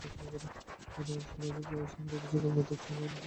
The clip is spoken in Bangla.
শোনা যাচ্ছে স্বামীর অফিসে কর্মরত মহিলার সঙ্গে নটঘটও অনেক দূর গড়িয়েছে।